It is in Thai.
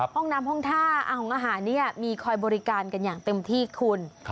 ห้องน้ำห้องท่าอาหารมีคอยบริการกันอย่างเต็มที่คุณ